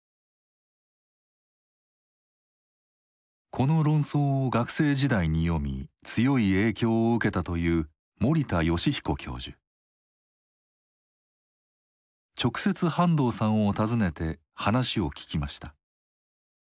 この論争を学生時代に読み強い影響を受けたという直接半藤さんを訪ねて話を聞きました。